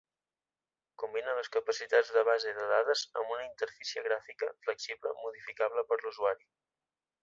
Combina les capacitats de base de dades amb una interfície gràfica, flexible, modificable per l'usuari.